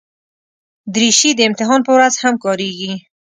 دریشي د امتحان پر ورځ هم کارېږي.